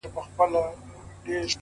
• گلابي شونډي يې د بې په نوم رپيږي ـ